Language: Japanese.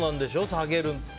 下げるって。